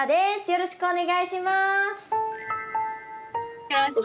よろしくお願いします。